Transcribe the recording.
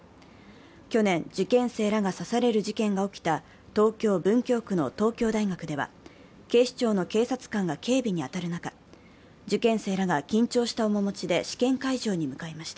去年、受験生らが刺される事件が起きた東京・文京区の東京大学では警視庁の警察官が警備に当たる中、受験生らが緊張した面持ちで試験会場に向かいました。